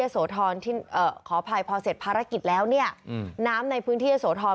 ขออภัยพอเสร็จภารกิจแล้วเนี่ยน้ำในพื้นที่เยอะโสธร